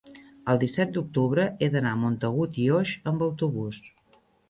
el disset d'octubre he d'anar a Montagut i Oix amb autobús.